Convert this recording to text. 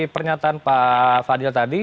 pernyataan pak fadil tadi